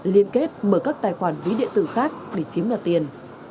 liên kết mở các tài khoản ví địa tử khác để chiếm được tiền